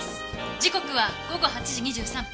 時刻は午後８時２３分。